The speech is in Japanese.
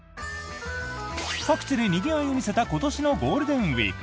各地でにぎわいを見せた今年のゴールデンウィーク。